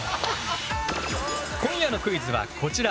今夜のクイズはこちら！